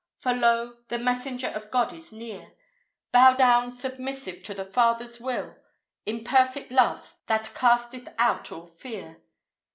For, lo! the messenger of God is near; Bow down submissive to the Father's will, In "perfect love" that "casteth out all fear."